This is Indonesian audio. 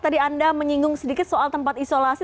tadi anda menyinggung sedikit soal tempat isolasi